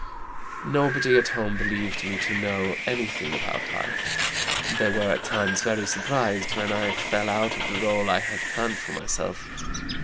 Nobody at home believed me to know anything about life. They were at times very surprised when I fell out of the rôle I had planned for myself.